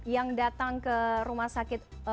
yang datang ke rumah sakit